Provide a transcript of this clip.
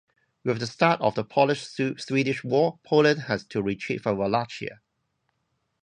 With the start of the Polish-Swedish War, Poland had to retreat from Wallachia.